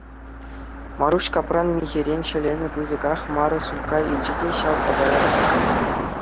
Маруҫ капрун михӗрен ҫӗленӗ пысӑках мар сумка илчӗ те ҫав пасара васкарӗ.